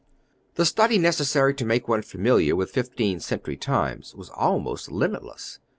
The study necessary to make one familiar with fifteenth century times was almost limitless.